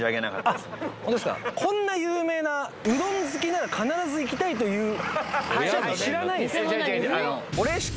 ホントですかこんな有名なうどん好きなら必ず行きたいという知らないですか